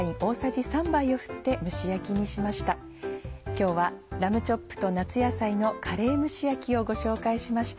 今日はラムチョップと夏野菜のカレー蒸し焼きをご紹介しました。